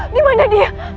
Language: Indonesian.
di mana dia